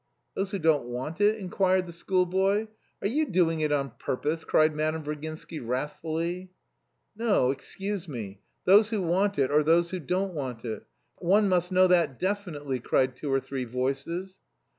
"Those who don't want it?" inquired the schoolboy. "Are you doing it on purpose?" cried Madame Virginsky wrathfully. "No. Excuse me, those who want it, or those who don't want it? For one must know that definitely," cried two or three voices.